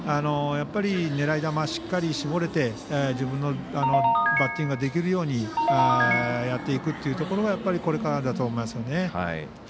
やっぱり狙い球しっかり絞れて自分のバッティングができるようにやっていくというところがこれからだと思いますね。